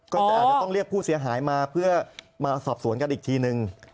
อาจจะต้องเรียกผู้เสียหายมาเพื่อมาสอบสวนกันอีกทีนึง